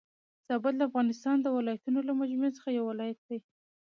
زابل د افغانستان د ولايتونو له جملي څخه يو ولايت دي.